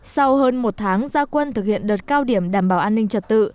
sau hơn một tháng gia quân thực hiện đợt cao điểm đảm bảo an ninh trật tự